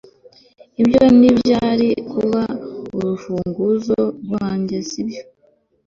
Ibyo ntibyari kuba urufunguzo rwanjye sibyo